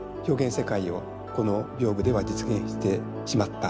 世界をこの屏風では実現してしまった。